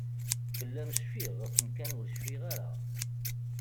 Fell-am cfiɣ, ɣef umkan ur cfiɣ ara.